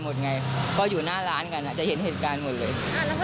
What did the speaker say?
มีการฆ่ากันห้วย